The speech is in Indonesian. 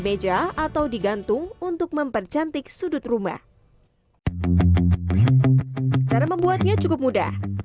meja atau digantung untuk mempercantik sudut rumah cara membuatnya cukup mudah